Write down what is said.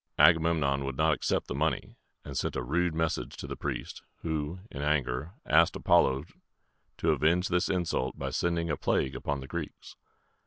Agamemnon would not accept the money, and sent a rude message to the priest, who, in anger, asked Apollo to avenge this insult by sending a plague upon the Greeks.